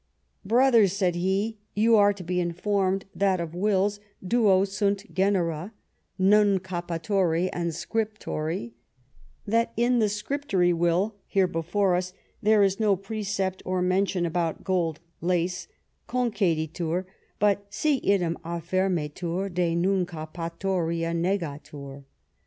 ' Brothers/ said he, * you are to be informed^ that of wills duo sunt genera nuncupatory and scriptory, that m the scriptory will here before us, there is no precept or mention about gold lace, conceditur: but, si idem affirmetur de nuncupatoria, negatur.